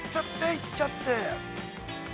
行っちゃって。